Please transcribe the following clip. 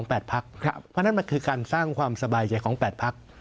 เพราะฉะนั้นมันคือการสร้างความสบายใจของ๘พัก